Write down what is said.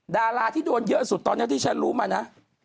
ดาราที่โดนเยอะสุดตอนนี้ที่ฉันรู้มานะ